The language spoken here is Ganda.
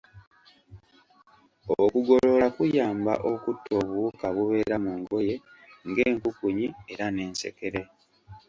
Okugolola kuyamba okutta obuwuka obubeera mu ngoye ng'enkukunyi era n'ensekere